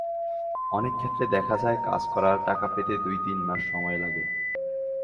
অনেক ক্ষেত্রে দেখা যায়, কাজ করার টাকা পেতে দুই-তিন মাস সময় লাগে।